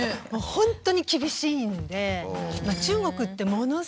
本当に厳しいんで。